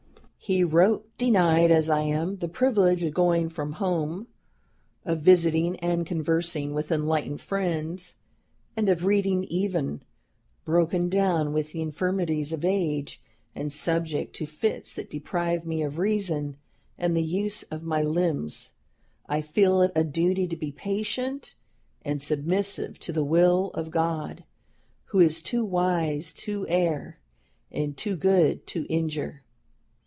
He wrote: "Denied, as I am, the privilege of going from home, of visiting and conversing with enlightened friends, and of reading even; broken down with the infirmities of age, and subject to fits that deprive me of reason and the use of my limbs, I feel it a duty to be patient and submissive to the will of God, who is too wise to err, and too good to injure.